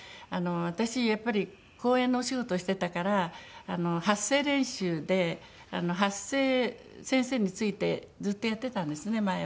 私やっぱり講演のお仕事してたから発声練習で発声先生についてずっとやってたんですね前は。